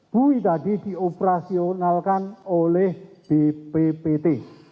bui tadi dioperasionalkan oleh bppt